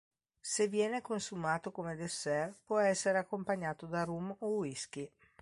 Se viene consumato come dessert può essere accompagnato da rum o whisky.